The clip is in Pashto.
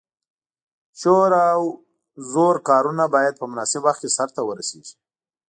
شور او زور کارونه باید په مناسب وخت کې سرته ورسیږي.